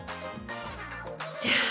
じゃあ。